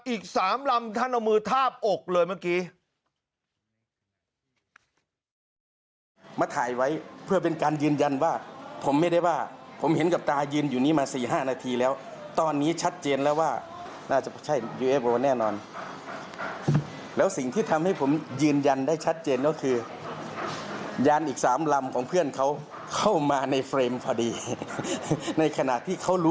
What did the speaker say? อีก๓ลำท่านเอามือทาบอกเลยเมื่อกี้